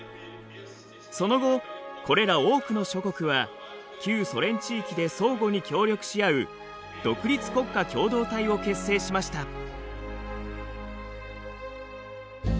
その後これら多くの諸国は旧ソ連地域で相互に協力し合う独立国家共同体を結成しました。